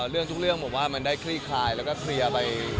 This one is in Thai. เรื่องทุกเรื่องผมว่ามันได้คลี่คลายแล้วก็เคลียร์ไป